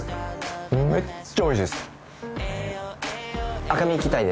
めっちゃおいしいです・赤身？